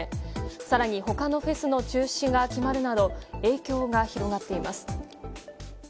更に他のフェスの中止が決まるなど影響が広がっています。